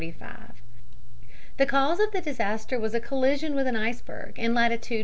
The cause of the disaster was a collision with an iceberg in latitude 41.